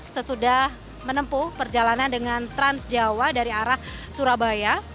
sesudah menempuh perjalanan dengan transjawa dari arah surabaya